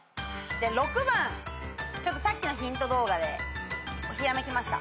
６番さっきのヒント動画でひらめきました。